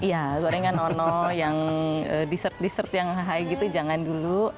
iya gorengan nono yang dessert dessert yang high gitu jangan dulu